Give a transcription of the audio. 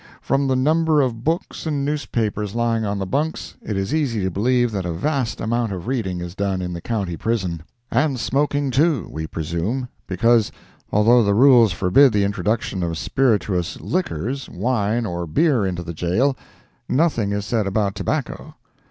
From the number of books and newspapers lying on the bunks, it is easy to believe that a vast amount of reading is done in the County Prison; and smoking too, we presume, because, although the rules forbid the introduction of spirituous liquors, wine, or beer into the jail, nothing is said about tobacco.